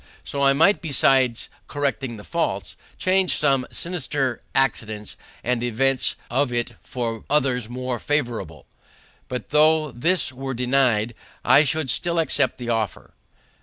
So I might, besides correcting the faults, change some sinister accidents and events of it for others more favourable. But though this were denied, I should still accept the offer.